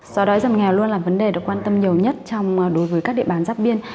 do đó dầm nghèo luôn là vấn đề được quan tâm nhiều nhất đối với các địa bàn giáp biên